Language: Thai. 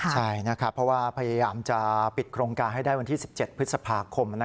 ใช่นะครับเพราะว่าพยายามจะปิดโครงการให้ได้วันที่๑๗พฤษภาคม